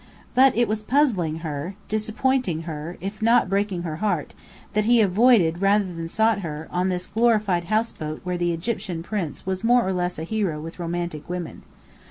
But it was puzzling her, disappointing her, if not breaking her heart, that he avoided rather than sought her, on this glorified houseboat where "the Egyptian Prince" was more or less a hero with romantic women.